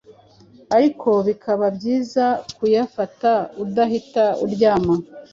ariko bikaba byiza kuyafata udahita uryama